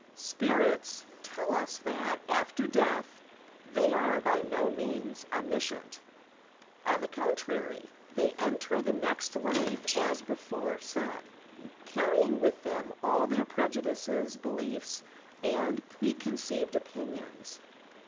"Spirits" tell us that, after death, they are by no means omniscient. On the contrary, they enter the next life, as before said, earrj'ing with them all their prejudices, beliefs and pre conceived opinions.